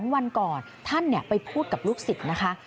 วันก่อนท่านไปพูดกับลูกศิษย์นะคะ